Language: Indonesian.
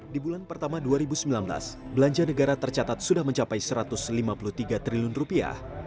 di bulan pertama dua ribu sembilan belas belanja negara tercatat sudah mencapai satu ratus lima puluh tiga triliun rupiah